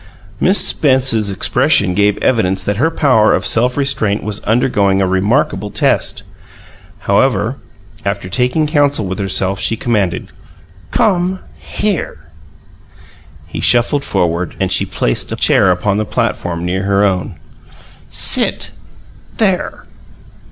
Miss Spence's expression gave evidence that her power of self restraint was undergoing a remarkable test. However, after taking counsel with herself, she commanded: "Come here!" He shuffled forward, and she placed a chair upon the platform near her own. "Sit there!"